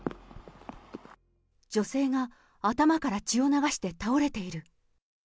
女性が頭から血を流して倒れている。